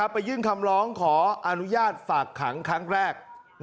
ไปยื่นคำร้องขออนุญาตฝากขังครั้งแรก